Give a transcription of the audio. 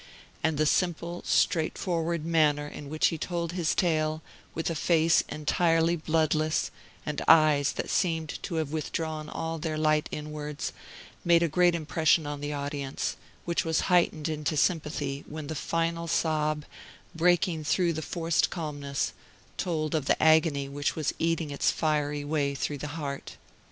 And the simple, straightforward manner in which he told this tale, with a face entirely bloodless, and eyes that seemed to have withdrawn all their light inwards, made a great impression on the audience, which was heightened into sympathy when the final sob, breaking through the forced calmness, told of the agony which was eating its fiery way through the heart.